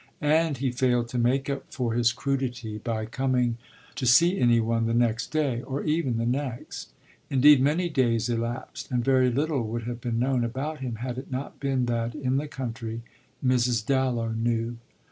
And he failed to make up for his crudity by coming to see any one the next day, or even the next. Indeed many days elapsed and very little would have been known about him had it not been that, in the country, Mrs. Dallow knew.